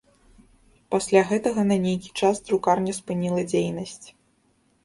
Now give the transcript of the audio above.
Пасля гэтага на нейкі час друкарня спыніла дзейнасць.